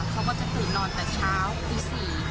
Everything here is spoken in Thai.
เขาก็จะตื่นนอนแต่เช้าตี๔